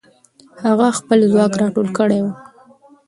هغه خپل ځواک راټول کړی وو.